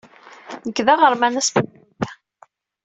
Nekk d aɣerman aspanyuli.